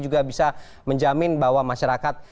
juga bisa menjamin bahwa masyarakat